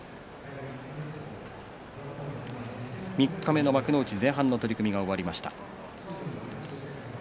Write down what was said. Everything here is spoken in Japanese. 三日目の幕内前半の取組が終わりました。